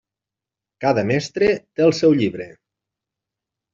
Cada mestre té el seu llibre.